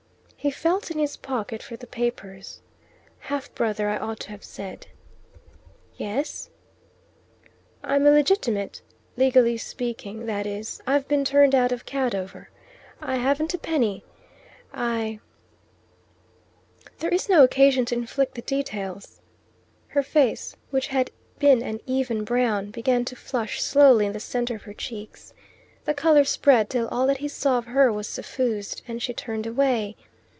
He felt in his pocket for the papers. "Half brother I ought to have said." "Yes?" "I'm illegitimate. Legally speaking, that is, I've been turned out of Cadover. I haven't a penny. I " "There is no occasion to inflict the details." Her face, which had been an even brown, began to flush slowly in the centre of the cheeks. The colour spread till all that he saw of her was suffused, and she turned away.